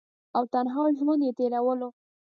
او تنها ژوند ئې تيرولو ۔